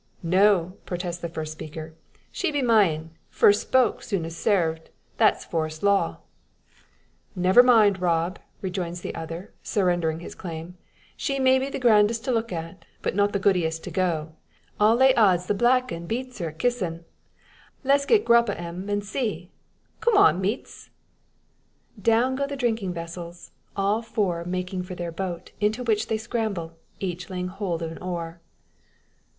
"No," protests the first speaker, "she be myen. First spoke soonest sarved. That's Forest law." "Never mind, Rob," rejoins the other, surrendering his claim, "she may be the grandest to look at, but not the goodiest to go. I'll lay odds the black 'un beats her at kissin'. Le's get grup o' 'em an' see! Coom on, meeats!" Down go the drinking vessels, all four making for their boat, into which they scramble, each laying hold of an oar.